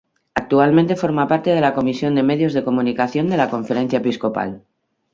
Actualmente forma parte de la comisión de Medios de Comunicación de la Conferencia Episcopal.